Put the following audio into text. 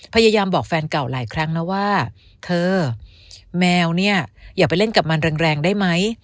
พยายามบอกแฟนเก่าหลายครั้งนะว่าเธอแมวเนี่ยอย่าไปเล่นกับมันแรงได้ไหม